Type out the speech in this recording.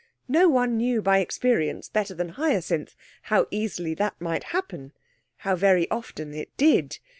No one knew by experience better than Hyacinth how easily that might happen, how very often it did.